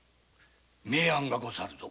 名案がござるぞ。